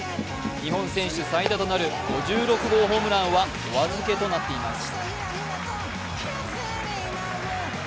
日本選手最多となる５６号ホームランはお預けとなっています。